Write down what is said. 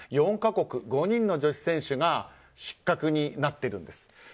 ４か国５人の女子選手が失格になっているんです。